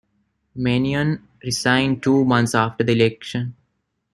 Manion resigned two months after the election.